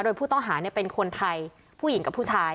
โดยผู้ต้องหาเป็นคนไทยผู้หญิงกับผู้ชาย